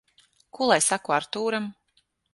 Ko lai saku Artūram?